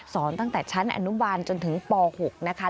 ตั้งแต่ชั้นอนุบาลจนถึงป๖นะคะ